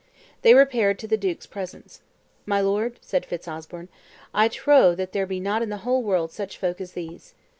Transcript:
They repaired to the duke's presence. "My lord," said Fitz Osbern, "I trow that there be not in the whole world such folk as these.